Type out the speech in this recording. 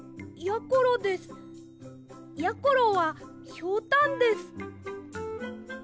やころはひょうたんです。